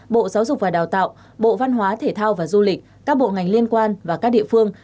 bộ giáo dục và đào tạo bộ văn hóa thể thao và du lịch các bộ ngành liên quan và các địa phương